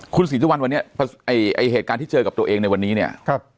คุณศรีสุวรรณวันนี้ไอ้เหตุการณ์ที่เจอกับตัวเองในวันนี้เนี่ย